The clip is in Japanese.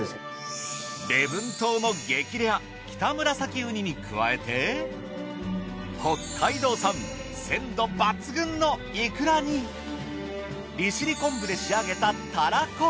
礼文島の激レアキタムラサキウニに加えて北海道産鮮度抜群のいくらに利尻昆布で仕上げたたらこ！